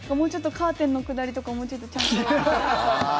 カーテンのくだりとかもうちょっとちゃんと。